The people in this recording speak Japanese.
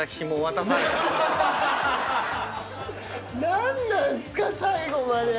何なんすか⁉最後まで。